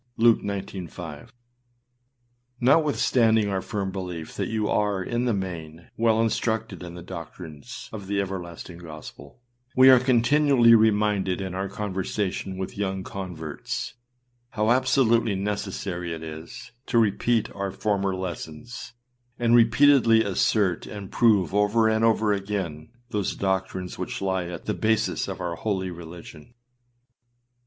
â â Luke 19:5 NOTWITHSTANDING our firm belief that you are in the main well instructed in the doctrines of the everlasting gospel, we are continually reminded in our conversation with young converts, how absolutely necessary it is to repeat our former lessons, and repeatedly assert and prove over and over again those doctrines which lie at the basis of our holy religion.